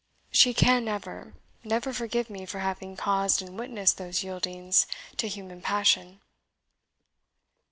She can never, never forgive me for having caused and witnessed those yieldings to human passion."